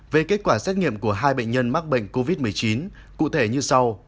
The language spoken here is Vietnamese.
về kết quả xét nghiệm của hai bệnh nhân mắc bệnh covid một mươi chín cụ thể như sau